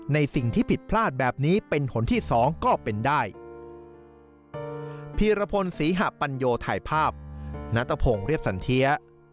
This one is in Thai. ในสิ่งที่ผิดพลาดแบบนี้เป็นหนที่๒ก็เป็นได้